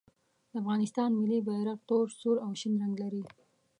د افغانستان ملي بیرغ تور، سور او شین رنګ لري.